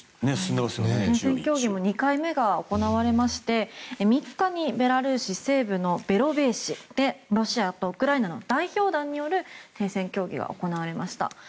停戦協議も２回目が行われまして３日にベラルーシ西部のベロベーシでロシアとウクライナの代表団による停戦協議が行われました。